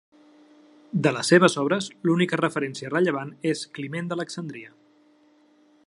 De les seves obres l'única referència rellevant es Climent d'Alexandria.